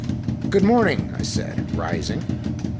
"Good morning," I said, rising.